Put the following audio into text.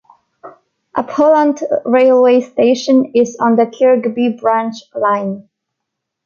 Upholland railway station is on the Kirkby Branch Line.